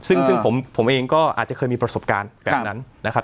ซึ่งผมเองก็อาจจะเคยมีประสบการณ์แบบนั้นนะครับ